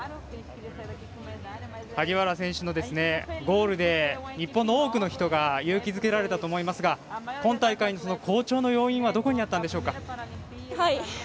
萩原選手のゴールで日本の多くの人が勇気づけられたと思いますが今大会、好調の要因はどこにあったんでしょか。